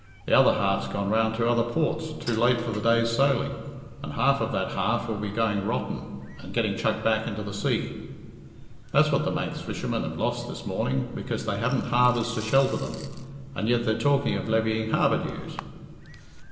The other half's gone round to other ports, too late for the day's sailing, and half of that half will be going rotten and getting chucked back into the sea. That's what the Manx fishermen have lost this morning because they haven't harbours to shelter them, and yet they're talking of levying harbour dues."